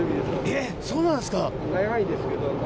やっぱそうなんですか。